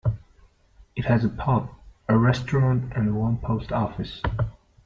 It has a pub, a restaurant and one post office.